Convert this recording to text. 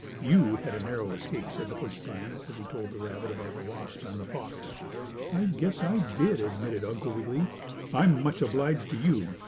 "You had a narrow escape," said the porcupine as he told the rabbit about the wasp and the fox. "I guess I did," admitted Uncle Wiggily. "I'm much obliged to you.